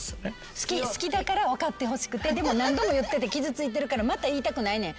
好きだから分かってほしくてでも何度も言ってて傷ついてるからまた言いたくないねん。